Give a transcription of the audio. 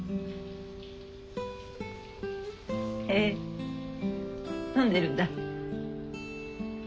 へえ飲んでるんだ。